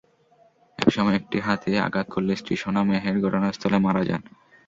একসময় একটি হাতি আঘাত করলে স্ত্রী সোনা মেহের ঘটনাস্থলে মারা যান।